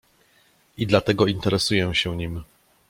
"I dlatego interesuję się nim."